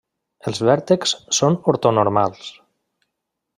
Els vèrtexs són ortonormals.